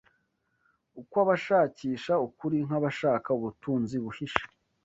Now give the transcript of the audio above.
ukw’abashakisha ukuri nk’abashaka ubutunzi buhishe